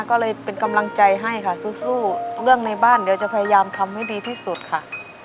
ก็เลยเป็นกำลังใจให้ค่ะสู้เรื่องในบ้านเดี๋ยวจะพยายามทำให้ดีที่สุดค่ะ